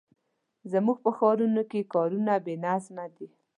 زموږ په ښارونو کې کارونه بې نظمه دي.